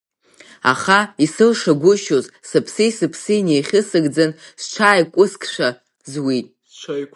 Аха исылшагәышьоз, сыԥси-сыԥси неихьысыгӡан, сҽааи-қәыскшәа зуит.